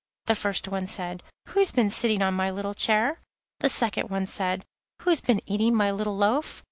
The first said: 'Who's been sitting on my little chair?' The second said: 'Who's been eating my little loaf?